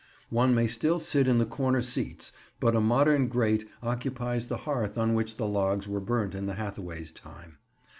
One may still sit in the corner seats, but a modern grate occupies the hearth on which the logs were burnt in the Hathaways' time.